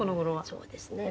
そうですね。